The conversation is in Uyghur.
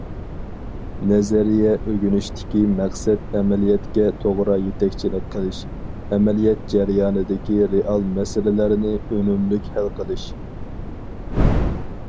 نەزەرىيە ئۆگىنىشتىكى مەقسەت ئەمەلىيەتكە توغرا يېتەكچىلىك قىلىش، ئەمەلىيەت جەريانىدىكى رېئال مەسىلىلەرنى ئۈنۈملۈك ھەل قىلىش.